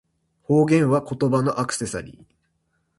方言は、言葉のアクセサリー